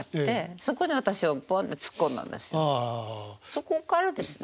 そこからですね。